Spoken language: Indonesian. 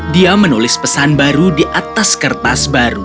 dia menulis pesan baru di atas kertas baru